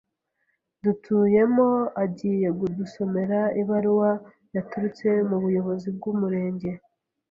dutuyemo agiye kudusomera ibaruwa yaturutse mu buyobozi bw’umurenge